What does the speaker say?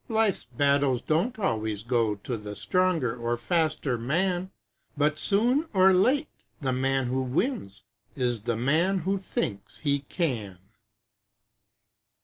Life's battles don't always go To the stronger or faster man, But soon or late the man who wins Is the man WHO THINKS HE CAN!